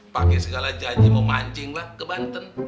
pakai segala janji mau mancing lah ke banten